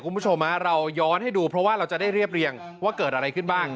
คุณผู้ชมเราย้อนให้ดูเพราะว่าเราจะได้เรียบเรียงว่าเกิดอะไรขึ้นบ้าง